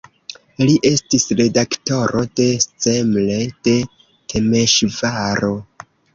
Li estis redaktoro de "Szemle" de Temeŝvaro.